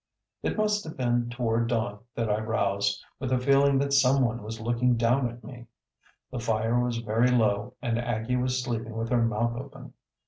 It must have been toward dawn that I roused, with a feeling that some one was looking down at me. The fire was very low and Aggie was sleeping with her mouth open.